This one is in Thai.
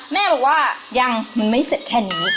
แม่บอกว่ายังมันไม่เสร็จแค่นี้